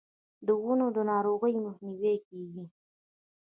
د ونو د ناروغیو مخنیوی کیږي.